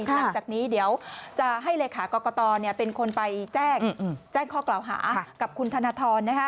หลังจากนี้เดี๋ยวจะให้เลขากรกตเป็นคนไปแจ้งข้อกล่าวหากับคุณธนทร